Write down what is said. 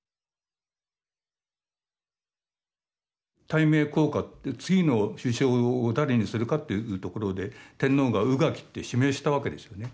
大命降下って次の首相を誰にするかというところで天皇が宇垣って指名したわけですよね。